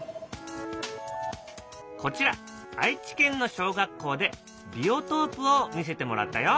こちら愛知県の小学校でビオトープを見せてもらったよ。